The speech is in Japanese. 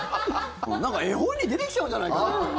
なんか絵本に出てきちゃうんじゃないかな。